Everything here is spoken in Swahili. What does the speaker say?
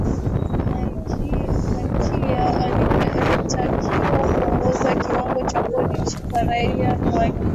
malkia alitakiwa kuongeza kiwango cha kodi kwa raia wake